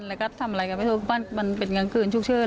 แล้วก็ทำอะไรก็ไม่ถูกบ้านมันเป็นกลางคืนชุกเชิด